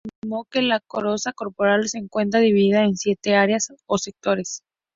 Reich afirmó que la coraza corporal se encuentra dividida en siete áreas o sectores.